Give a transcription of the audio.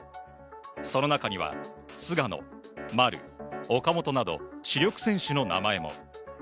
その中には菅野、丸、岡本など主力選手の名前も。